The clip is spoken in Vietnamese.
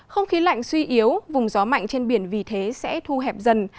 không khí lạnh suy yếu vùng gió mạnh trên biển vì thế sẽ thu hẹp dần